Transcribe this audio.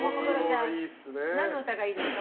何の歌がいいですか？